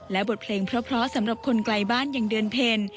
และบทเพลงเพราะสำหรับคนไกลบ้านอย่างเดือนเพล